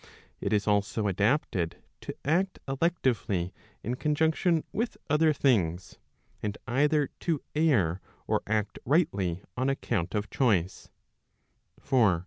It is also adapted to act electively in conjunction with other things, and either to err or act rightly on account of choice.